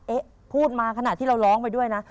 เอ๊ะพูดมาขนาดที่เราร้องไปด้วยนะ